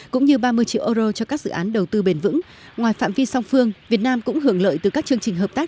cũng như ba mươi triệu euro cho các dự án đầu tư bền vững ngoài phạm vi song phương việt nam cũng hưởng lợi từ các chương trình hợp tác